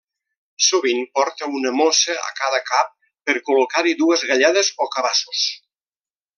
Sovint porta una mossa a cada cap per col·locar-hi dues galledes o cabassos.